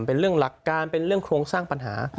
เป็นเรื่องหลักการเป็นเรื่องโครงสร้างปัญหา